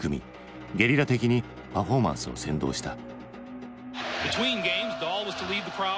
ゲリラ的にパフォーマンスを扇動した。